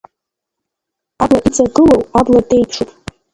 Абла иҵагылоу, абла деиԥшуп.